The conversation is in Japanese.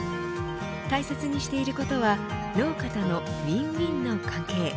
大切にしていることは、農家とのウィンウィンの関係。